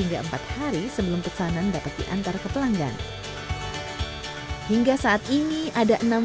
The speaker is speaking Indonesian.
ini anak kok bisa berubah drastis banget gitu loh